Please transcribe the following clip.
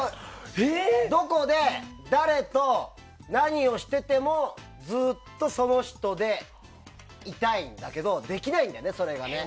どこで誰と何をしていてもずっとその人でいたいんだけどできないんだよね、それがね。